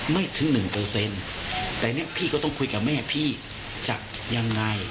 ไม่ถึง๑แต่นี้พี่เขาต้องคุยกับแม่พี่จะยังไง